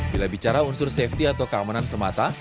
bila bicara unsur safety atau keamanan semata